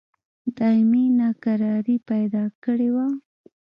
دایمي ناکراري پیدا کړې وه.